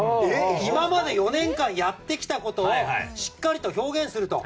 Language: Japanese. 今まで４年間やってきたことをしっかりと表現すると。